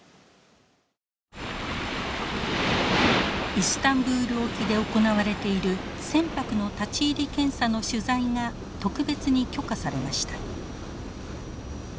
イスタンブール沖で行われている船舶の立ち入り検査の取材が特別に許可されました。